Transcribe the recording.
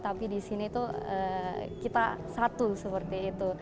tapi di sini tuh kita satu seperti itu